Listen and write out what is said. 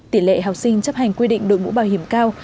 tỉ lệ học sinh chấp hành quy định đội bũ bảo hiểm cao